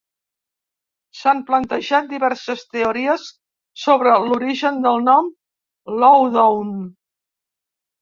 S'han plantejat diverses teories sobre l'origen del nom "Loudoun".